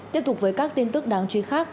tiếp tục với các tin tức đáng truy khắc